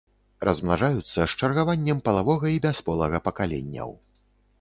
Размнажаюцца з чаргаваннем палавога і бясполага пакаленняў.